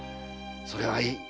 それはいい。